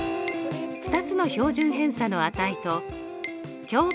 ２つの標準偏差の値と共